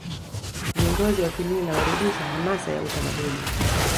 viongozi wa kimila warudisha hamasa ya utamaduni